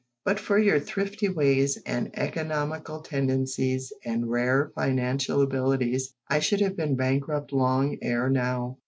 But for your thrifty ways, and economical tendencies, and rare financial abilities, I should have been bankrupt long ere now."